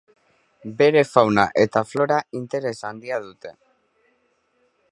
Bere fauna eta flora interes handia dute.